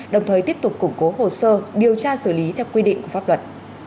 đồng thời tiếp tục củng cố hồ sơ điều tra xử lý theo quy định của pháp luật